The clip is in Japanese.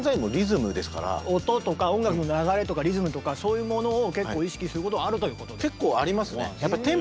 音とか音楽の流れとかリズムとかそういうものを結構意識することはあるということ？